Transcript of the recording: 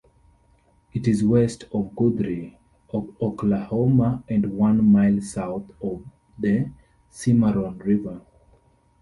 It is west of Guthrie, Oklahoma and one mile south of the Cimarron River.